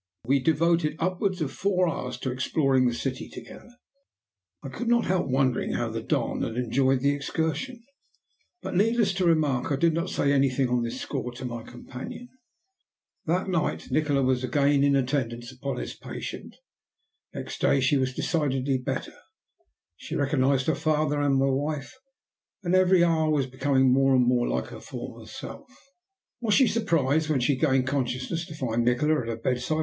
"We devoted upwards of four hours to exploring the city together." I could not help wondering how the Don had enjoyed the excursion, but, needless to remark, I did not say anything on this score to my companion. That night Nikola was again in attendance upon his patient. Next day she was decidedly better; she recognized her father and my wife, and every hour was becoming more and more like her former self. "Was she surprised when she regained consciousness to find Nikola at her bedside?"